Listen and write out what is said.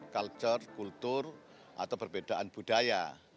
culture kultur atau perbedaan budaya